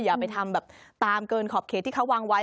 อย่าไปทำแบบตามเกินขอบเขตที่เขาวางไว้